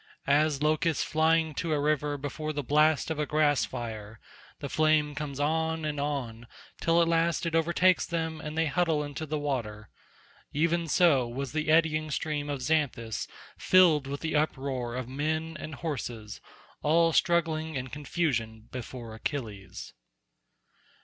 As locusts flying to a river before the blast of a grass fire—the flame comes on and on till at last it overtakes them and they huddle into the water—even so was the eddying stream of Xanthus filled with the uproar of men and horses, all struggling in confusion before Achilles.